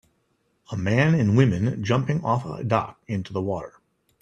A man and women jumping off a dock into the water.